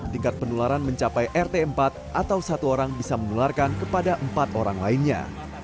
tingkat penularan mencapai rt empat atau satu orang bisa menularkan kepada empat orang lainnya